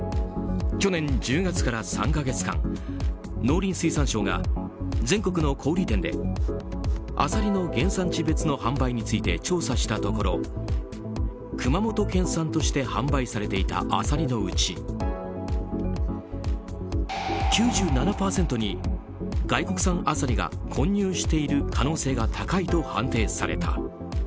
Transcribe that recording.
去年１０月から３か月間農林水産省が全国の小売店でアサリの原産地別の販売について調査したところ熊本県産として販売されていたアサリのうち９７％に外国産アサリが混入している可能性が高いと判定された。